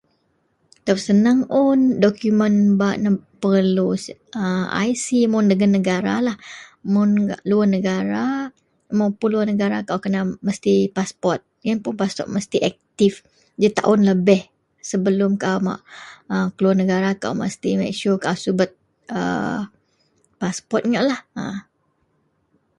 Ito senang un dokumen bak perlu IC mun dagen negaralah, mun keluwar negara mun mapun keluwar nregara mesti paspot iyen puon paspot mesti aktif jetaun lebeh sebelum kaau keluwar negara. Kaau make sure kaau ngak subet paspot ngaklah.